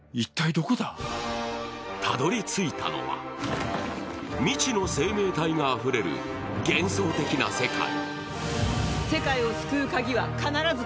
たどり着いたのは未知の生命体があふれる幻想的な世界。